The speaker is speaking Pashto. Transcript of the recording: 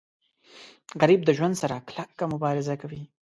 غریب د ژوند سره کلکه مبارزه کوي